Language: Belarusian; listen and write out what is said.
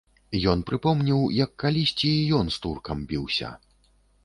Ён прыпомніў, як калісьці і ён з туркам біўся.